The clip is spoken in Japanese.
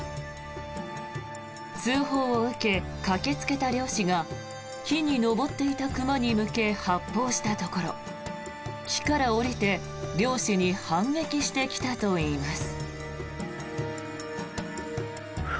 通報を受け、駆けつけた猟師が木に登っていた熊に向け発砲したところ木から下りて猟師に反撃してきたといいます。